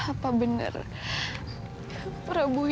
apa yang kan ada dalam energi